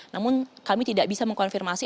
namun kami tidak bisa mengkonfirmasi